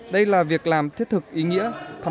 đây là việc làm thiết thực ý nghĩa